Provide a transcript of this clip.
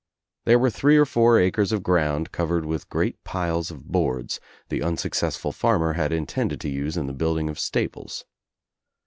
There were three or four acres of ground covered with great piles of boards the unsuccessful farmer had Intended to use in the building of stables.